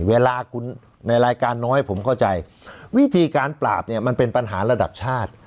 เวลาคุณในรายการน้อยผมเข้าใจวิธีการปราบเนี่ยมันเป็นปัญหาระดับชาติ